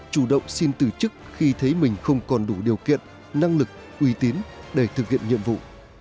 chủ động xin từ chức khi thấy mình không còn đủ điều kiện năng lực uy tín để thực hiện nhiệm vụ